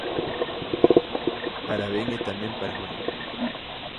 Para ben e tamén para mal.